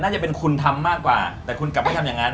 จะเป็นคุณทำมากกว่าแต่คุณกลับไม่ทำอย่างนั้น